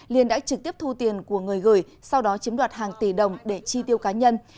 liên đã trực tiếp thu tiền của người gửi sau đó chiếm đoạt hàng tỷ đồng để chi tiêu cá nhân